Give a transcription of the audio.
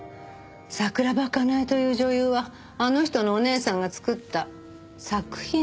桜庭かなえという女優はあの人のお姉さんが作った作品なの。